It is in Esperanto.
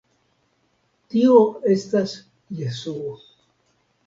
Tio estas Jesuo.